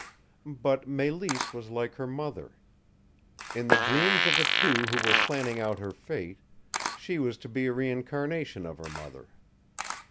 But Mélisse was like her mother. In the dreams of the two who were planning out her fate, she was to be a reincarnation of her mother.